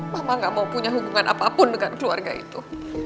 mama gak mau punya hubungan apapun dengan keluarga itu